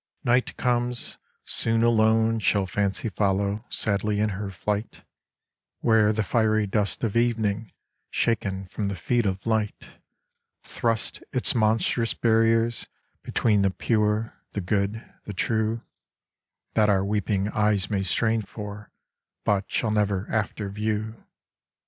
Night comes ; soon alone shall fancy follow sadly in her flight Where the fiery dust of evening, shaken from the feet of light, Thrusts its monstrous barriers between the pure, the good, the true, That our weeping eyes may strain for, but shall never after view.